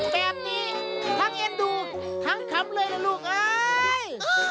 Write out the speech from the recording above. แบบนี้ทั้งเอ็นดูทั้งขำเลยนะลูกเอ้ย